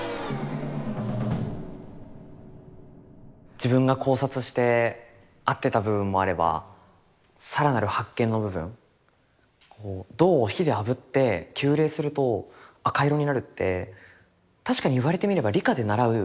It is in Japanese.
自分が考察して合ってた部分もあれば更なる発見の部分銅を火であぶって急冷すると赤色になるって確かにいわれてみれば理科で習うことじゃないですか。